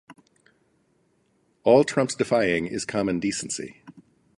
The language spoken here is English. All Trump's defying is common decency.